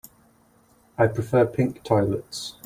I prefer pink toilets.